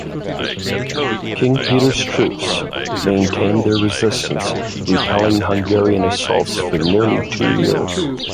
King Petar's troops maintained their resistance repelling Hungarian assaults for nearly two years.